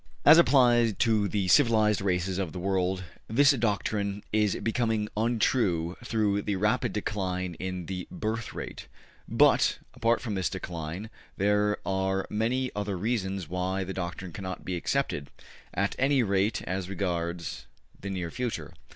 As applied to the civilized races of the world, this doctrine is becoming untrue through the rapid decline in the birth rate; but, apart from this decline, there are many other reasons why the doctrine cannot be accepted, at any rate as regards the near future.